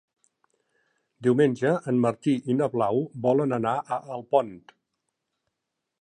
Diumenge en Martí i na Blau volen anar a Alpont.